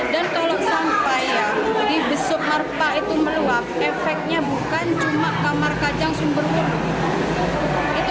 dan kalau sampai di besok marpa itu meluap efeknya bukan cuma kamar kacang sumberwuluh